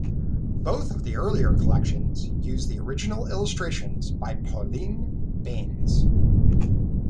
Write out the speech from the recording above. Both of the earlier collections use the original illustrations by Pauline Baynes.